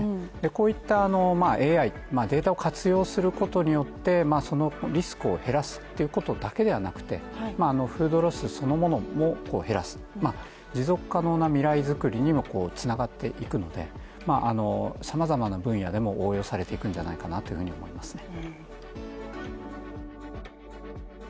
こういったＡＩ、データを活用することによってそのリスクを減らすっていうことだけではなくて、フードロスそのものも減らす、持続可能な未来づくりにもつながっていくのでさまざまな分野でも応用されていくんじゃないかと思いますね。